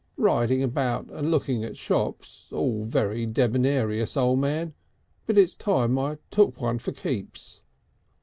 "Riding about and looking at shops, all very debonnairious, O' Man, but it's time I took one for keeps."